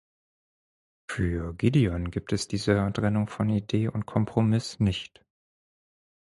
Für Gideon gibt es diese Trennung von Idee und Kompromiss nicht.